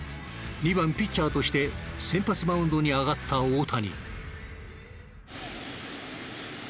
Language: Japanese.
２番ピッチャーとして先発マウンドに上がった大谷。